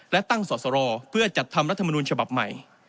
และตั้งสอสรเพื่อจัดทำรัฐมนุนฉบับใหม่